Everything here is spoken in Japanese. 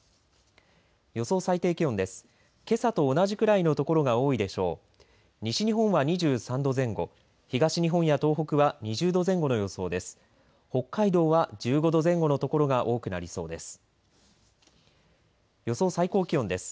予想最低気温です。